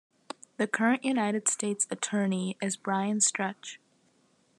The current United States Attorney is Brian Stretch.